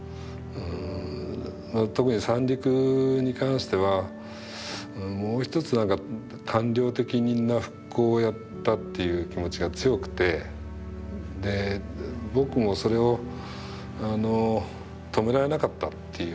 特に三陸に関してはもう一つ官僚的な復興をやったっていう気持ちが強くて僕もそれを止められなかったっていうかだいぶ抵抗したんですけど